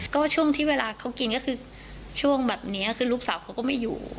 ก็ช่วงที่เวลาเขากินก็คือช่วงแบบนี้คือลูกสาวเขาก็ไม่อยู่